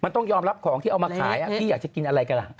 มันต้องยอมรับของที่เอามาขายพี่อยากจะกินอะไรกันล่ะ